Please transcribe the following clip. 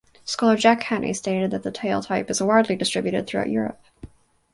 Scholar Jack Haney stated that the tale type is "widely distributed throughout Europe".